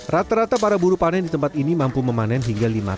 rata rata para buru panen di tempat ini mampu memanen hingga lima